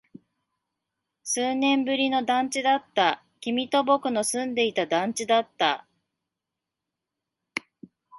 数年ぶりの団地だった。君と僕の住んでいた団地だった。